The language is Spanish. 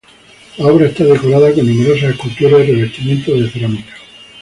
La obra está decorada con numerosas esculturas y revestimientos de cerámica.